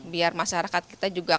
biar masyarakat kita juga